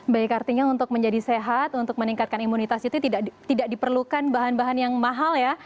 baik artinya untuk menjadi sehat untuk meningkatkan imunitas itu tidak diperlukan bahan bahan yang mahal ya